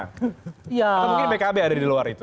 atau mungkin pkb ada di luar itu